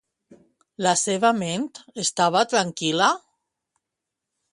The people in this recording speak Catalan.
La seva ment, estava tranquil·la?